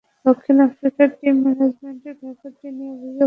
দক্ষিণ আফ্রিকার team management ব্যাপারটি নিয়ে অভিযোগ করেছে ম্যাচ রেফারির কাছে।